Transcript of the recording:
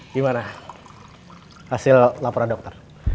gimana hasil laporan dokter